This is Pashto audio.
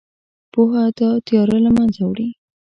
پوهه دا تیاره له منځه وړي.